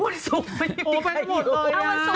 วันสุขกลรมเปอร์นะ